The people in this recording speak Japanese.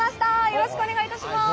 よろしくお願いします。